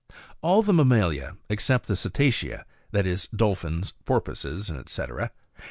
9. All the mammalia, except the cetacea, (that is, dolphins, porpoises, &c.)